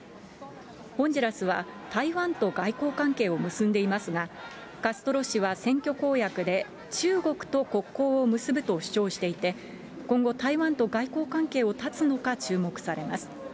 ホンジュラスは台湾と外交関係を結んでいますが、カストロ氏は選挙公約で中国と国交を結ぶと主張していて、今後、台湾と外交関係を絶つのか注目されます。